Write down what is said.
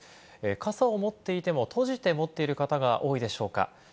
傘を持っていても、閉じて持っている方が多いでしょうか。